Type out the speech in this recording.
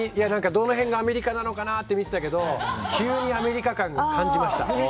どの辺がアメリカなのかなって見てたけど急にアメリカ感、感じました。